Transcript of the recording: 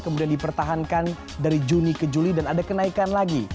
kemudian dipertahankan dari juni ke juli dan ada kenaikan lagi